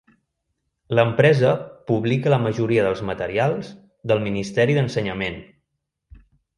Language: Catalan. L'empresa publica la majoria dels materials del Ministeri d'Ensenyament.